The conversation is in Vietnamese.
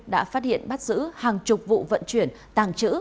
đã phát hiện bắt giữ hàng chục vụ vận chuyển tàng trữ